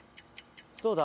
どうだ？